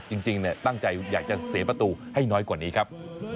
จริงตั้งใจอยากจะเสียประตูให้น้อยกว่านี้ครับ